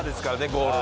ゴール